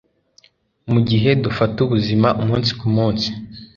Mugihe dufata ubuzima umunsi kumunsi